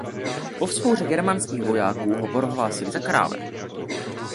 Po vzpouře germánských vojáků ho prohlásili za krále.